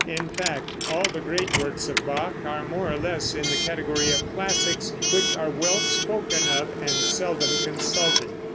In fact, all the great works of Bach are more or less in the category of classics, which are well spoken of and seldom consulted.